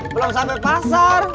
belum sampai pasar